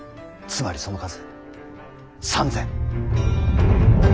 つまりその数３，０００。